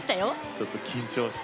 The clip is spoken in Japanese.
ちょっと緊張して。